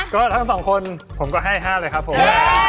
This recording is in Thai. ก็ทั้งสองคนผมก็ให้๕เลยครับผม